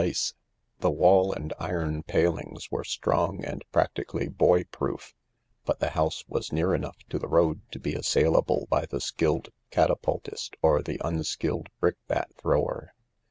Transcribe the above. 46 THE LARK 47 The wall and iron palings were strong and practically boy proof, but the house was near enough to the road to be assailable by the skilled catapultist or the unskilled brick bat thrower.